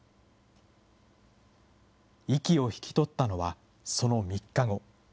息を引き取ったのはその３日後。